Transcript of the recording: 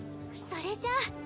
それじゃあ。